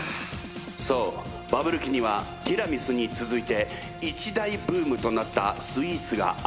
そうバブル期にはティラミスに続いて一大ブームとなったスイーツがあった。